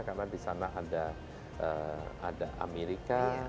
karena di sana ada amerika